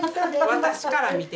私から見て。